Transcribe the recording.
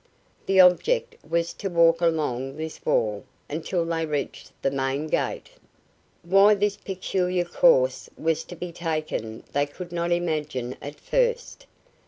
The object was to walk along this wall until they reached the main gate. Why this peculiar course was to be taken they could not imagine at first.